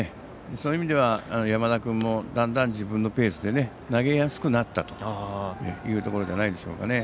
そういう意味では山田君もだんだん、自分のペースで投げやすくなったというところじゃないでしょうか。